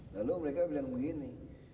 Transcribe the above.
lalu mereka bilang begini